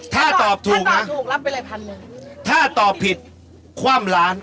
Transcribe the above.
ถ้าตอบถูกนะถ้าตอบผิดคว่ำล้าน